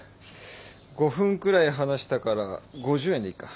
５分くらい話したから５０円でいっか。